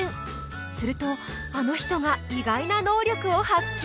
するとあの人が意外な能力を発揮！